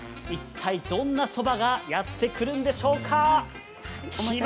一体、どんなそばがやってくるんでしょうか。